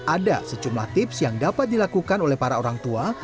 ada sejumlah tips yang dapat dilakukan oleh para orang tua